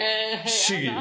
不思議。